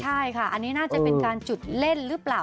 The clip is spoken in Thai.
ใช่ค่ะอันนี้น่าจะเป็นการจุดเล่นหรือเปล่า